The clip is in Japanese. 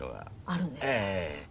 あるんですか？